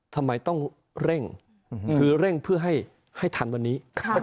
ทำไมต้องเร่งคือเร่งเพื่อให้ทันวันนี้